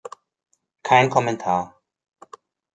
Kein Kommentar!